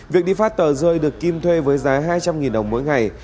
việc đi phát tờ rơi được kim thuê với giá hai trăm linh đồng mỗi ngày